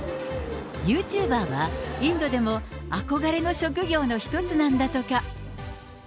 ユーチューバーはインドでも憧れの職業の一つなんだとか。